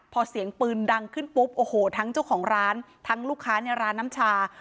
พอเสียงปืนดังขึ้นปุ๊บโอ้โหทั้งเจ้าของร้านทั้งลูกค้าในร้านน้ำชา